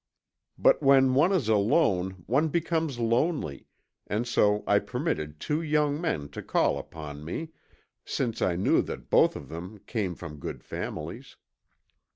But when one is alone one becomes lonely, and so I permitted two young men to call upon me, since I knew that both of them came from good families.